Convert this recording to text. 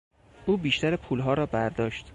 او بیشتر پولها را برداشت.